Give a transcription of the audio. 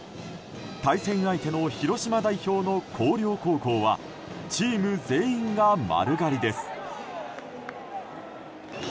対戦相手の広島代表の広陵高校はチーム全員が丸刈りです。